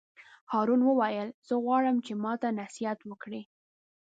هارون وویل: زه غواړم چې ماته نصیحت وکړې.